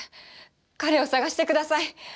彼を捜してください